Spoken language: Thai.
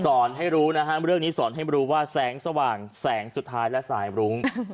ให้รู้นะฮะเรื่องนี้สอนให้รู้ว่าแสงสว่างแสงสุดท้ายและสายรุ้ง